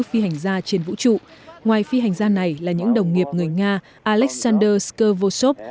phi hành gia trên vũ trụ ngoài phi hành gia này là những đồng nghiệp người nga alexander skovosov